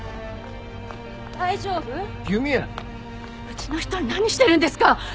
うちの人に何してるんですか！